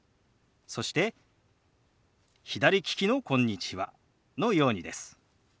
そして左利きの「こんにちは」のようにです。